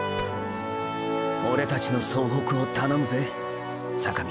オレたちの総北をたのむぜ坂道。